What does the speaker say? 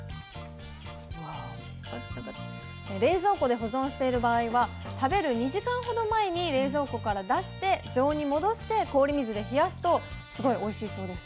冷蔵庫で保存している場合は食べる２時間ほど前に冷蔵庫から出して常温に戻して氷水で冷やすとすごいおいしいそうです。